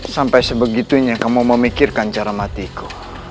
sampai sebegitunya kamu memikirkan cara matiku